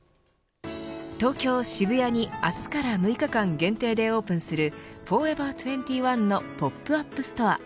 東京、渋谷に明日から６日間限定でオープンするフォーエバー２１のポップアップストア。